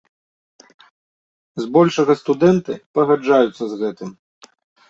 Збольшага студэнты пагаджаюцца з гэтым.